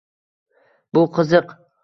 Bu qiziq